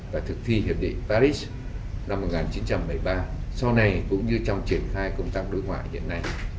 và thực thi hiệp định paris năm một nghìn chín trăm một mươi ba sau này cũng như trong triển khai công tác đối ngoại hiện nay